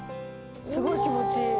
すごい気持ちいい。